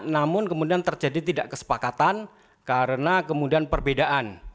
namun kemudian terjadi tidak kesepakatan karena kemudian perbedaan